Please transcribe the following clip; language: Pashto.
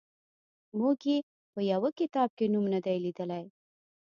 موږ یې په یوه کتاب کې نوم نه دی لیدلی.